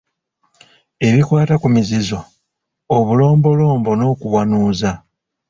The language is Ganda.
Ebikwata ku mizizo, obulombolombo n’okuwanuuza.